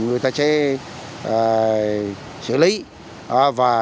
người ta sẽ sử dụng